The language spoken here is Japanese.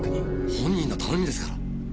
本人の頼みですから。